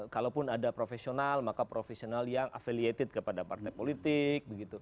kalaupun ada profesional maka profesional yang affiliated kepada partai politik